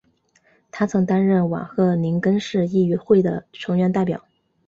他曾担任瓦赫宁根市议会的成员代表。